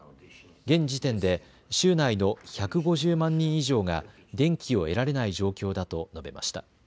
現時点で州内の１５０万人以上が電気を得られない状況だと述べました。